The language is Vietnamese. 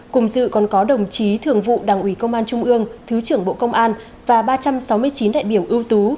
cùng dự còn có đồng chí thường vụ đảng ủy công an trung ương thứ trưởng bộ công an và ba trăm sáu mươi chín đại biểu ưu tú